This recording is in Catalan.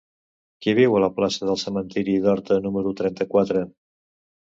Qui viu a la plaça del Cementiri d'Horta número trenta-quatre?